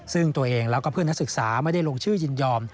ซึ่งตัวเองแล้วก็เพื่อนนักศึกษาไม่ได้ลงชื่อยินยอม